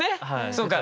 そうか。